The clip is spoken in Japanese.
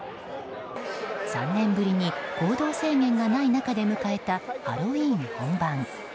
３年ぶりに行動制限がない中で迎えたハロウィーン本番。